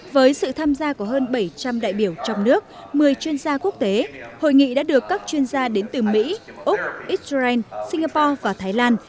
với sự tham gia của hơn bảy trăm linh đại biểu trong nước một mươi chuyên gia quốc tế hội nghị đã được các chuyên gia đến từ mỹ úc israel singapore và thái lan